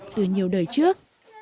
từ nhiều đời trước